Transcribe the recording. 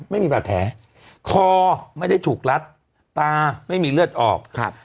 ไม่มีบาดแผลคอไม่ได้ถูกรัดตาไม่มีเลือดออกครับ